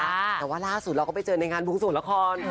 แต่ว่าล่าสุดเราก็ไปเจอในงานบุญส่วนละคร